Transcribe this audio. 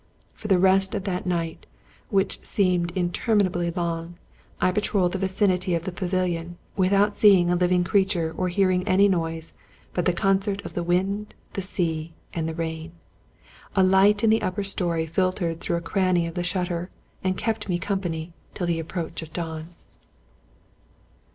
For the rest of that night, which seemed interminably long, I patrolled the vicinity of the pavilion, without seeing a living creature or hearing any noise but the concert of the wind, the sea, and the rain. A light in the upper story filtered through a cranny of the shutter, and kept me com pany till the approach of dawn.